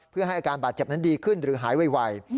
เพื่อให้อาการบาดเจ็บนั้นดีขึ้นหรือหายไว